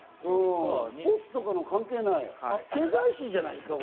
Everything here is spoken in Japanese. スポーツとか関係ない、経済紙じゃないですか？